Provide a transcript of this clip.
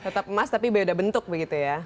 tetap emas tapi beda bentuk begitu ya